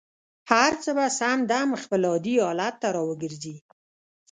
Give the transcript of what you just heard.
هر څه به سم دم خپل عادي حالت ته را وګرځي.